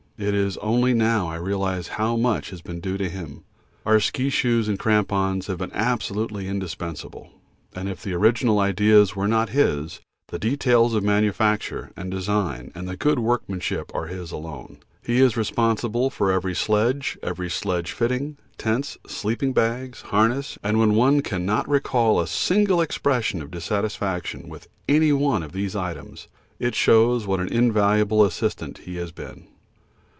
It is only now I realise how much has been due to him. Our ski shoes and crampons have been absolutely indispensable, and if the original ideas were not his, the details of manufacture and design and the good workmanship are his alone. He is responsible for every sledge, every sledge fitting, tents, sleeping bags, harness, and when one cannot recall a single expression of dissatisfaction with any one of these items, it shows what an invaluable assistant he has been.